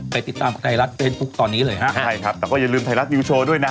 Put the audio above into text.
ติดตามไทยรัฐเฟซบุ๊คตอนนี้เลยฮะใช่ครับแต่ก็อย่าลืมไทยรัฐนิวโชว์ด้วยนะฮะ